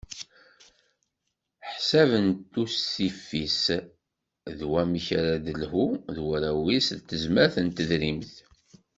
Ḥsab n ustifi-s d wamek ara d-telhu d warraw-is d tezmart n tedrimt.